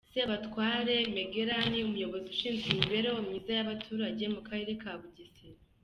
Sebatware Magelan umuyobozi ushinzwe imibereho myiza y'abaturage mu karere ka Bugesera .